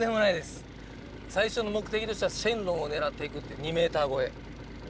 最初の目的としては神龍を狙っていくって２ｍ超え。